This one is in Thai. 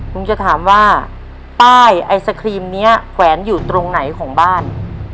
ผมจะถามว่าป้ายไอศครีมนี้แขวนอยู่ตรงไหนของบ้าน